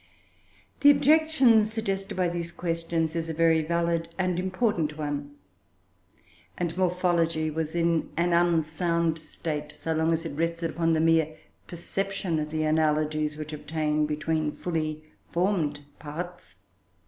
The objection suggested by these questions is a very valid and important one, and morphology was in an unsound state so long as it rested upon the mere perception of the analogies which obtain between fully formed parts.